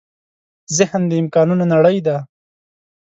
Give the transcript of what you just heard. ذهن د امکانونو نړۍ ده.